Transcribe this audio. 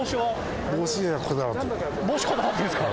帽子こだわってんですか？